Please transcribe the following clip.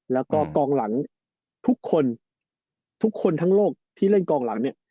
แล้วก็กองหลังทุกคนทุกคนทั้งโลกที่เล่นกองหลังเนี่ย